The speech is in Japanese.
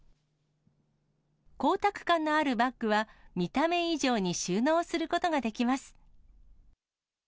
光沢感のあるバッグは、見た目以上に収納することができます。